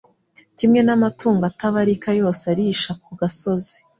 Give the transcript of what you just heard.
kimwe n’amatungo atabarika yose arisha ku gasozi